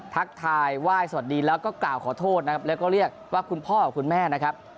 ทักทายไหว้สวัสดีแล้วก็กล่าวขอโทษนะครับแล้วก็เรียกว่าคุณพ่อกับคุณแม่นะครับ